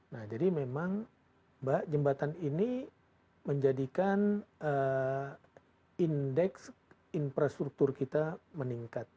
nah jadi memang mbak jembatan ini menjadikan indeks infrastruktur kita meningkat